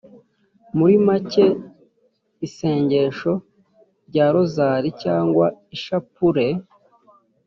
muri make isnengesho rya rozali, cyangwa ishapure